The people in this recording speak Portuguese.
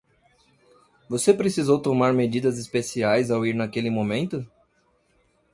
Você precisou tomar medidas especiais ao ir naquele momento?